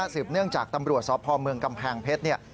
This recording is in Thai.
สืบเนื่องจากตำรวจสอบพอบ์เมืองกำแพงเพชรเนี่ย